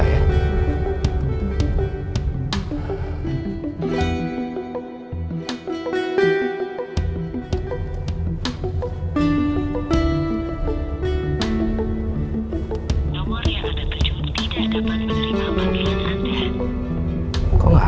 nomor yang ada berjumpa tidak dapat menerima panggilan anda